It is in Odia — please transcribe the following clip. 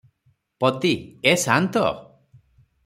ପଦୀ-ଏ ସାନ୍ତ!